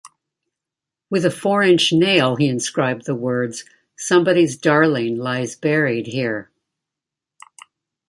With a four-inch nail he inscribed the words Somebody's Darling lies buried here.